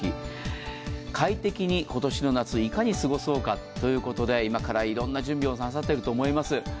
快適に今年の夏、いかに過ごそうかというきことで、今からいろて準備をなさっていると思います。